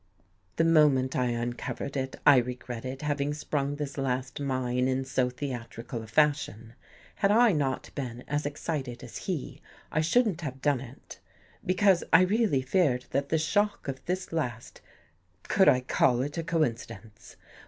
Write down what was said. The moment I uncovered it, I regretted having sprung this last mine in so theatrical a fashion. Had I not been as excited as he, I shouldn't have done it. Because I really feared that the shock of this last — could I call it a coincidence